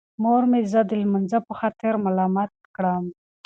مور مې زه د لمونځ په خاطر ملامت کړم.